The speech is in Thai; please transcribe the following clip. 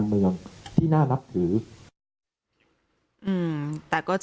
และการแสดงสมบัติของแคนดิเดตนายกนะครับ